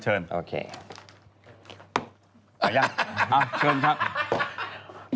เอาอย่างเอาเชิญนะคะ